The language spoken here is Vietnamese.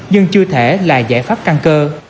nhưng chưa thể là giải pháp căn cơ